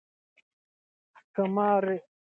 که ماري کوري راپور ونکړي، معلومات به ناسم خپور شي.